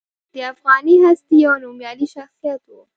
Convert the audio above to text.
د افغاني هستې یو نومیالی شخصیت و.